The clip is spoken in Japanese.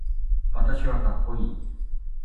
私はかっこいい